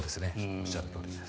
おっしゃるとおりです。